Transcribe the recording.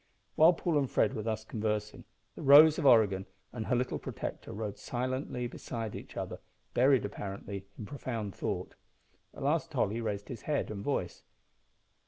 While Paul and Fred were thus conversing, the Rose of Oregon and her little protector rode silently beside each other, buried, apparently, in profound thought. At last Tolly raised his head and voice.